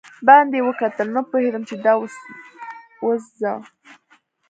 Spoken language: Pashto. باندې وکتل، نه پوهېدم چې دا اوس زه.